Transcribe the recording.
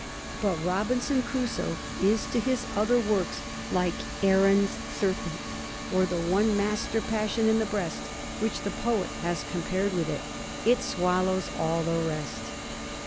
But '* Robinson Crusoe " is to his other works like Aaron's serpent, or the " one master passion in the breast," which the poet has compared with it — it " swallows all the rest."